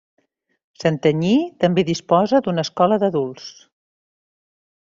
Santanyí també disposa d'una escola d'adults.